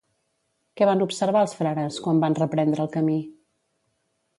Què van observar els frares quan van reprendre el camí?